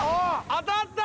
当たった！